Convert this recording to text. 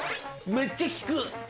めっちゃ効く。